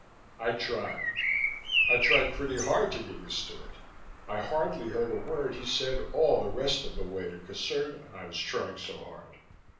I tried. I tried pretty hard to get used to it; I hardly heard a word he said all the rest of the way in to Caserta, I was trying so hard.